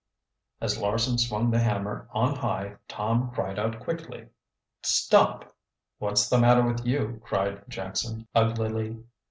As Larson swung the hammer on high Tom cried out quickly: "Stop!" "What's the matter with you?" cried Jackson uglily.